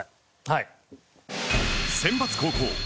はい。